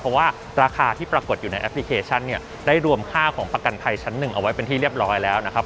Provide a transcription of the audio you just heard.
เพราะว่าราคาที่ปรากฏอยู่ในแอปพลิเคชันเนี่ยได้รวมค่าของประกันภัยชั้นหนึ่งเอาไว้เป็นที่เรียบร้อยแล้วนะครับ